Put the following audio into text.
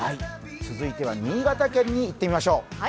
続いては新潟県に行ってみましょう。